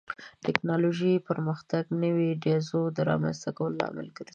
د ټکنالوژۍ پرمختګ د نوو ایډیازو د رامنځته کولو لامل ګرځي.